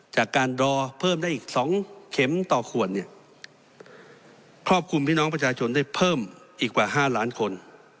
จากการรอเพิ่มได้อีก๒เข็มต่อขวดเนี่ยครอบคลุมพี่น้องประชาชนได้เพิ่มอีกกว่า๕ล้านคน